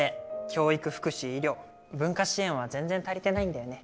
教育福祉医療文化支援は全然足りてないんだよね。